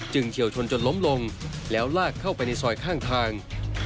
เฉียวชนจนล้มลงแล้วลากเข้าไปในซอยข้างทาง